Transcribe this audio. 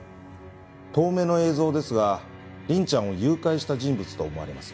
遠目の映像ですが凛ちゃんを誘拐した人物と思われます。